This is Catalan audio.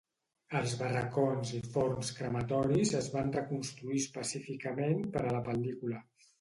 Els barracons i forns crematoris es van reconstruir específicament per a la pel·lícula.